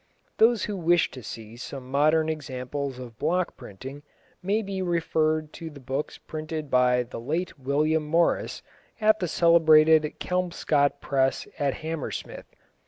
Those who wish to see some modern examples of block printing may be referred to the books printed by the late William Morris at the celebrated Kelmscott Press at Hammersmith.